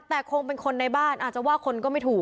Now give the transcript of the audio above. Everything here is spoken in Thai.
แต่คงเป็นคนในบ้านอาจจะว่าคนก็ไม่ถูก